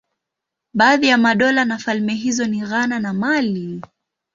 Baadhi ya madola na falme hizo ni Ghana na Mali.